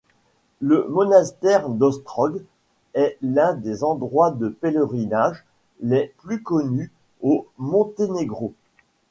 Le monastère d'Ostrog est l'un des endroits de pèlerinage les plus connus au Monténégro.